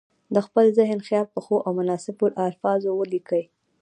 د خپل ذهن خیال په ښو او مناسبو الفاظو ولیکي.